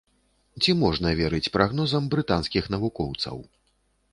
Ці можна верыць прагнозам брытанскіх навукоўцаў?